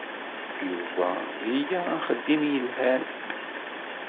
Yuba iga axeddim yelhan.